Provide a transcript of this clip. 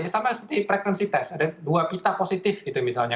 sama seperti frekuensi tes ada dua pita positif gitu misalnya